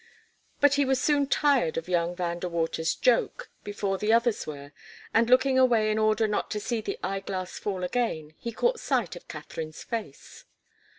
But he was soon tired of young Van De Water's joke, before the others were, and looking away in order not to see the eyeglass fall again, he caught sight of Katharine's face.